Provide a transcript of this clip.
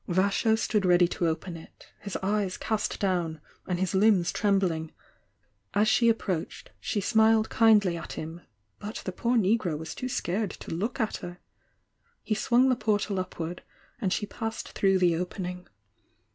Vasho stood ready to open it, his eyes cast down, and his limbs trem bling, — as she approached slie smiled kindly at him, but the poor negro was too scared to look at her. He swung tiie portal upward, and she passed through the opening.